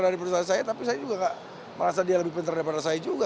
dari perusahaan saya tapi saya juga gak merasa dia lebih pinter daripada saya juga